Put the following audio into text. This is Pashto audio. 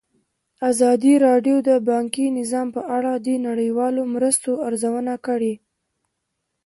ازادي راډیو د بانکي نظام په اړه د نړیوالو مرستو ارزونه کړې.